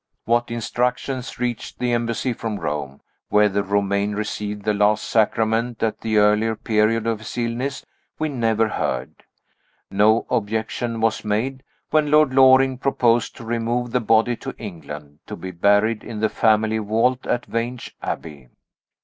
What instructions reached the Embassy from Rome whether Romayne received the last sacrament at the earlier period of his illness we never heard. No objection was made, when Lord Loring proposed to remove the body to England, to be buried in the family vault at Vange Abbey.